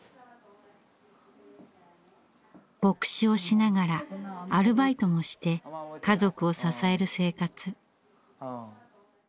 牧師をしながらアルバイトもして家族を支える生活。